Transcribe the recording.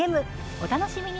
お楽しみに。